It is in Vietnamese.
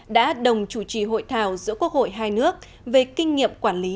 đã đồng chủ trì hội thảo giữa quốc hội hai nước về kinh nghiệm quản lý